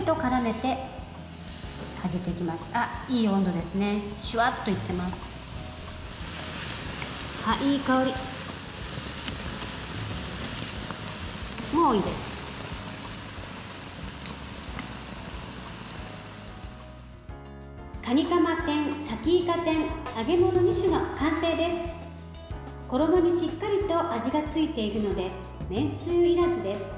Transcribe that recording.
衣にしっかりと味がついているのでめんつゆいらずです。